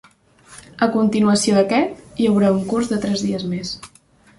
A continuació d'aquest, hi haurà un curs de tres dies més.